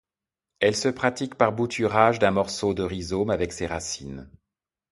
Elle se pratique par bouturage d'un morceau de rhizome avec ses racines.